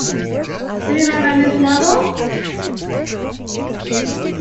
Do you remember Miss Noble?